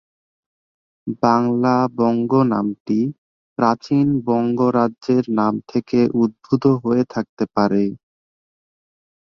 বাংলা "বঙ্গ" নামটি প্রাচীন বঙ্গ রাজ্যের নাম থেকে উদ্ভূত হয়ে থাকতে পারে।